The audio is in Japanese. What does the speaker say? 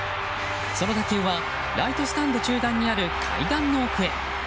その打球はライトスタンド中段にある階段の奥へ。